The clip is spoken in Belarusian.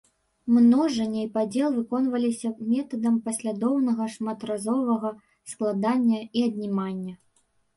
Множанне і падзел выконваліся метадам паслядоўнага шматразовага складання і аднімання.